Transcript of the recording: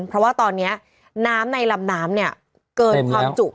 เพราะว่าตอนนี้น้ำในลำน้ำเนี่ยเกินความจุไปหลายจุดแล้ว